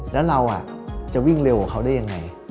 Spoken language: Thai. แล้วเราจะวิ่งเร็วกว่าเขาได้ยังไง